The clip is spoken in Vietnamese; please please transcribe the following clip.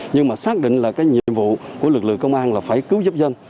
nhưng mà xác định là cái nhiệm vụ của lực lượng công an là phải cứu giúp dân